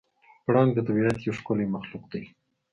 پړانګ د طبیعت یو ښکلی مخلوق دی.